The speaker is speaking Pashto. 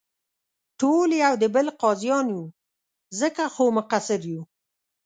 ټول یو دې بل قاضیان یو، ځکه خو مقصر یو.